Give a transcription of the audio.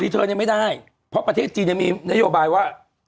เธอยังไม่ได้เพราะประเทศจีนยังมีนโยบายว่า